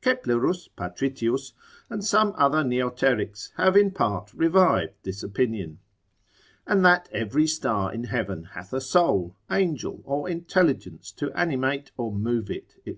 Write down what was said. Keplerus, Patritius, and some other Neoterics, have in part revived this opinion. And that every star in heaven hath a soul, angel or intelligence to animate or move it, &c.